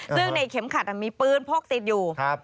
ซึ่งในเข็มขัดมีปืนพกติดอยู่